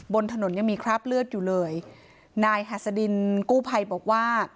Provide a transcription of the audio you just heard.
บนถนนยังมีคราบเลือดอยู่เลยนายหัสดินกู้ภัยบอกว่า